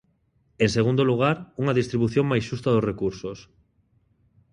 En segundo lugar, unha distribución máis xusta dos recursos.